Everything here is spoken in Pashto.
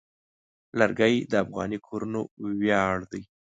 لرګی د افغاني کورنو ویاړ دی.